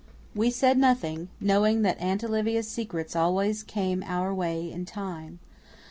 We said nothing, knowing that Aunt Olivia's secrets always came our way in time.